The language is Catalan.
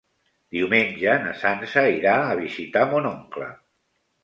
Diumenge na Sança irà a visitar mon oncle.